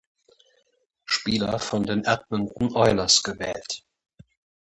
Spieler von den Edmonton Oilers gewählt.